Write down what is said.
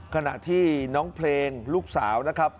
ขณะที่น้องเพลงลูกสาวนะครับ